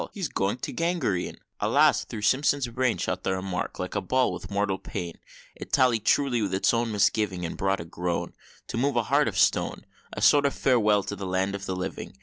He's going to gangrene!" Alas! through Simpson's brain Shot the remark, like ball, with mortal pain; It tallied truly with his own misgiving, And brought a groan, To move a heart of stone A sort of farewell to the land of living!